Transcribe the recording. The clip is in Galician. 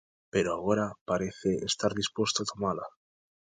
Pero agora parece estar disposto a tomala.